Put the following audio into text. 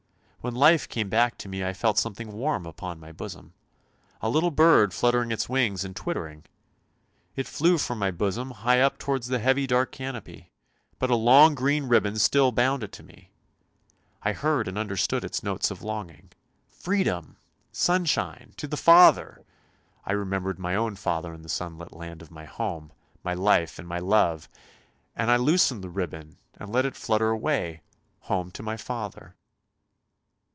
When life came back to me I felt something warm upon my bosom; a little bird fluttering its wings and twittering. It flew from my bosom high up towards the heavy dark canopy, but a long green ribbon still bound it to me; I heard and understood its notes of longing: ' Freedom ! Sunshine ! To the Father !' I remembered my own father in the sunlit land of my home, my life, and my love! and I loosened the ribbon and let it flutter away — home to my father.